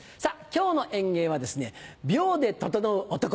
今日の演芸はですね秒で整う男。